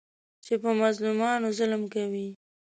چې په مظلومانو ظلم کوي.